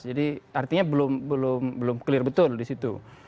jadi artinya belum clear betul di situ